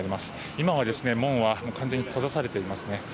今は門は完全に閉ざされていますね。